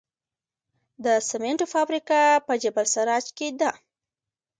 د سمنټو فابریکه په جبل السراج کې ده